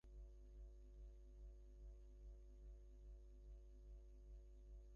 বরদাসুন্দরী কহিলেন, সেটা আগে ঠিক করো।